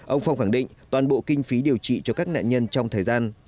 ông phong khẳng định toàn bộ kinh phí điều trị cho các nạn nhân trong thời gian